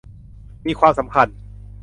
มีความสำคัญ